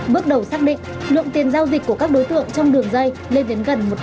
bước đầu xác định lượng tiền giao dịch của các đối tượng trong đường dây lên đến gần một tỷ đồng